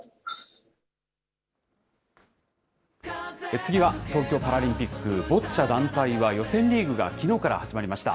次は東京パラリンピック、ボッチャ団体は、予選リーグがきのうから始まりました。